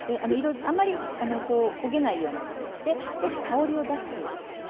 あまり焦げないような形で少し香りを出す程度ですね。